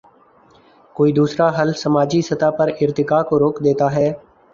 کوئی دوسرا حل سماجی سطح پر ارتقا کو روک دیتا ہے۔